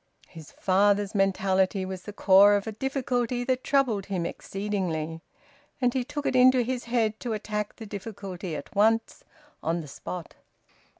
His father's mentality was the core of a difficulty that troubled him exceedingly, and he took it into his head to attack the difficulty at once, on the spot.